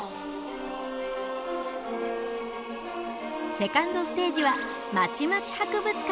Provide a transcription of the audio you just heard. セカンドステージはまちまち博物館。